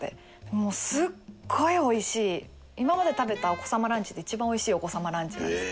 もうすっごいおいしい今まで食べたお子様ランチでいちばんおいしいお子様ランチなんです。